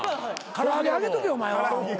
唐揚げ揚げとけお前はアホ。